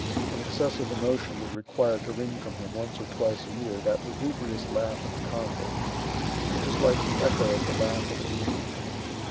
An excessive emotion was required to wring from him, once or twice a year, that lugubrious laugh of the convict, which is like the echo of the laugh of a demon.